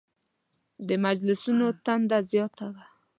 د مجلسونو تنده زیاته وه.